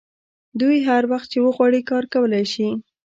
دوی هر وخت چې وغواړي کار کولی شي